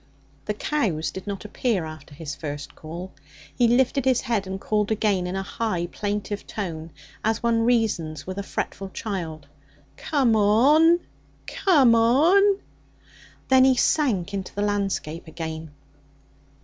The cows did not appear after his first call. He lifted his head and called again in a high plaintive tone, as one reasons with a fretful child. 'Come o on, come o on!' Then he sank into the landscape again.